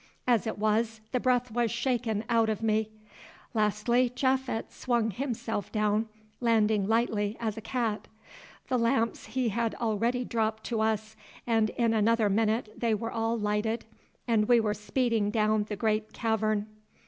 As it was, the breath was shaken out of me. Lastly, Japhet swung himself down, landing lightly as a cat. The lamps he had already dropped to us, and in another minute they were all lighted, and we were speeding down the great cavern.